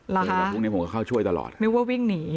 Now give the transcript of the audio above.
คือวันพรุ่งนี้ผมก็เข้าช่วยตลอดนึกว่าวิ่งหนี